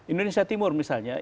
indonesia timur misalnya